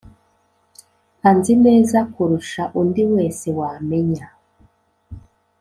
anzi neza kurusha undi wese wamenya